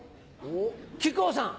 木久扇さん。